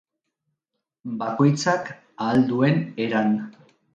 Bakoitzak ahal duen eran.